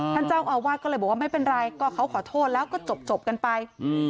ท่านเจ้าอาวาสก็เลยบอกว่าไม่เป็นไรก็เขาขอโทษแล้วก็จบกันไป